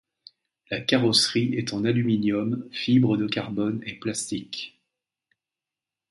La carrosserie est en aluminium, fibre de carbone et plastique.